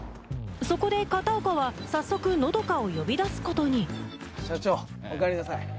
そこで片岡は早速和佳を呼び出すことに社長おかえりなさい。